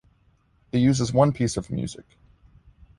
It uses one piece of music.